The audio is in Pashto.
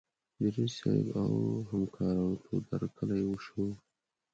د رییس صیب او همکارانو تود هرکلی وشو.